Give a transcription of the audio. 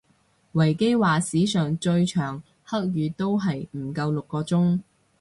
維基話史上最長黑雨都係唔夠六個鐘